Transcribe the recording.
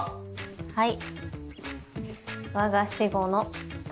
はい。